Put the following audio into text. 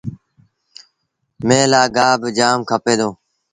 ميݩهن لآ گآه با جآم کپي دو۔